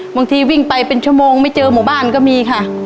บางทีวิ่งไปเป็นชั่วโมงไม่เจอหมู่บ้านก็มีค่ะ